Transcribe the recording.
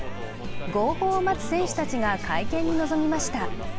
号砲を待つ選手たちが会見に臨みました。